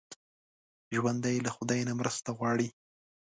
ژوندي له خدای نه مرسته غواړي